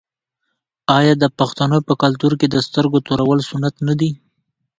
آیا د پښتنو په کلتور کې د سترګو تورول سنت نه دي؟